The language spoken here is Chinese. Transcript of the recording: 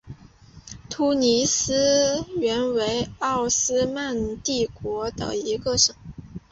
突尼斯原为奥斯曼帝国的一个省。